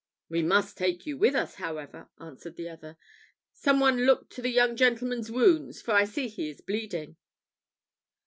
"We must take you with us, however," answered the other. "Some one look to the young gentleman's wounds, for I see he is bleeding."